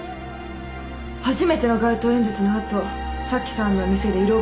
初めての街頭演説の後早紀さんの店で慰労会をする予定。